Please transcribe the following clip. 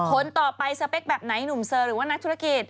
คนต่อไปสเปคแบบไหนหนุ่มเซอร์หรือว่านักธุรกิจ